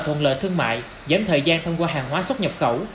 thuận lợi thương mại giảm thời gian thông qua hàng hóa xuất nhập khẩu